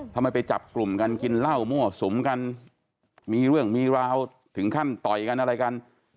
ไปจับกลุ่มกันกินเหล้ามั่วสุมกันมีเรื่องมีราวถึงขั้นต่อยกันอะไรกัน